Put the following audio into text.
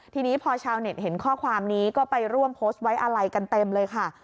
ทีนี้พอชาวเน็ตเห็นข้อความนี้ก็ไปร่วมโพสต์ไว้อะไรกันเต็มเลยค่ะ